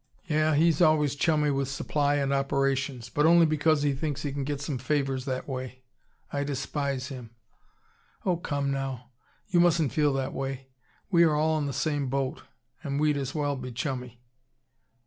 "Yeah, he's always chummy with Supply and Operations but only because he thinks he can get some favors that way. I despise him." "Oh, come now! You mustn't feel that way. We are all in the same boat, and we'd as well be chummy."